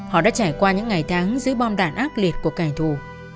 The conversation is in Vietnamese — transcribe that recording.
họ đã trải qua những ngày tháng dưới bom đạn ác liệt của kẻ thù